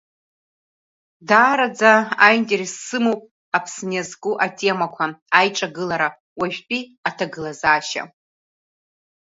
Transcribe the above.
Даараӡа аинтирес сымоуп Аԥсны иазку атемақәа, аиҿагылара, уажәтәи аҭагылазаашьа…